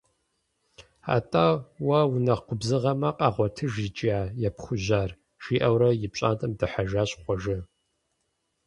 АтӀэ уэ унэхъ губзыгъэмэ, къэгъуэтыж иджы а епхужьар, - жиӀэурэ и пщӀантӀэм дыхьэжащ Хъуэжэ.